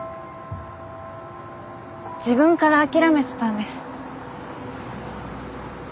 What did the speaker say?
自分から諦めてたんです。